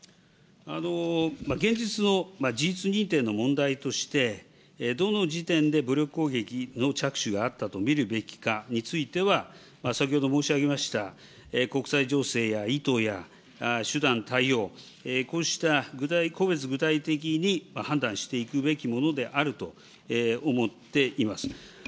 現実の事実認定の問題として、どの時点で武力攻撃の着手があったと見るべきかについては、先ほど申し上げました、国際情勢や意図や手段、対応、こうした個別具体的に判断していくべきものであると思っています。